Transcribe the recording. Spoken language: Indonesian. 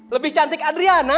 lebih cantik adriana